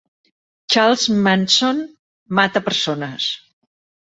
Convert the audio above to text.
Charles Manson mata persones.